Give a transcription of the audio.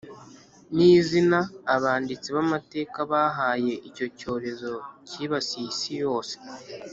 ni izina abanditsi b’amateka bahaye icyo cyorezo cyibasiye isi yose